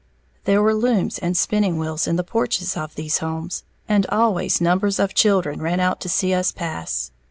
There were looms and spinning wheels in the porches of these homes, and always numbers of children ran out to see us pass.